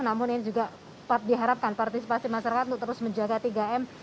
namun ini juga diharapkan partisipasi masyarakat untuk terus menjaga tiga m